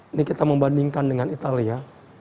ini kita membandingkan dengan italia